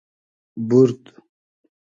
بورد